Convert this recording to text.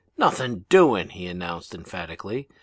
"'Nothing doing!' he announced emphatically.